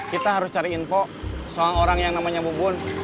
kita harus cari info seorang orang yang namanya ibu bun